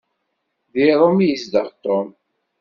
Deg Rome i yezdeɣ Tom.